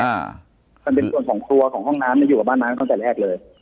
มันเป็นส่วนของตัวของห้องน้ำมันอยู่บ้านไม้มาตั้งแต่แรกเลย